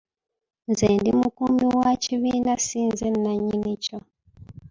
Nze ndi mukuumi wa kibiina ssi nze nannyini kyo.